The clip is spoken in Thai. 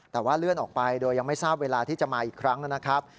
แต่ว่าเลื่อนออกไปโดยยังไม่ทราบเวลาที่จะมาอีกครั้งนะครับ